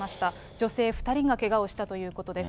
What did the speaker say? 女性２人がけがをしたということです。